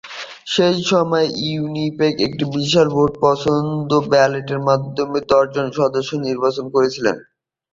সেই সময়ে উইনিপেগ, একটি বিশাল ভোটে পছন্দের ব্যালটের মাধ্যমে দশজন সদস্য নির্বাচিত করেছিলেন।